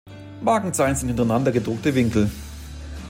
Markenzeichen sind hintereinander gedruckte Winkel.